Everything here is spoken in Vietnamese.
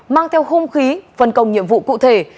mang theo hung khí phân công nhiệm vụ cụ thể